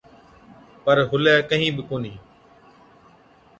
پَر هُلَي ڪهِين بِي ڪونهِي۔